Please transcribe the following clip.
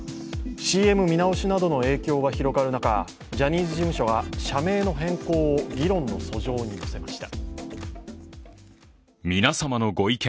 ＣＭ見直しなどの影響が広がる中、ジャニーズ事務所が社名の変更を議論のそ上にのせました。